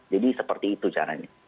jadi seperti itu caranya